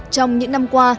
trong những năm qua